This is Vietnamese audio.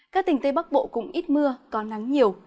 các tỉnh tây bắc bộ cũng ít mưa có nắng nhiều